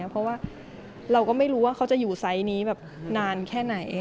เพราะว่าเราก็ไม่รู้ว่าเขาจะอยู่ไซส์นี้แบบนานแค่ไหน